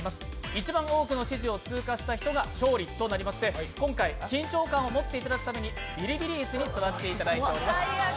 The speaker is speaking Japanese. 一番多くの指示を通過した人が勝利となりまして今回、緊張感をもっていただくためにビリビリ椅子に座っていただきますう。